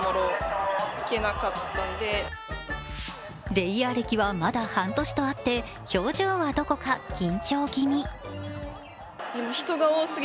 レイヤー歴はまだ半年とあって表情はどこか緊張気味。